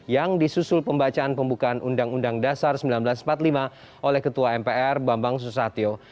yang disusul pembacaan pembukaan undang undang dasar seribu sembilan ratus empat puluh lima oleh ketua mpr bambang susatyo